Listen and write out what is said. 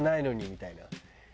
何？みたいな。